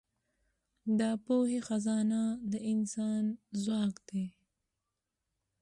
د پوهې خزانه د انسان ځواک ده.